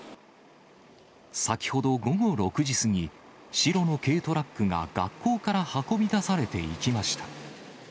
先ほど午後６時過ぎ、白の軽トラックが学校から運び出されていきました。